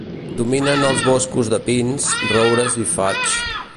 Dominen els boscos de pins, roures i faigs.